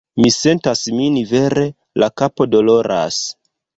Mi sentas min vere, la kapo doloras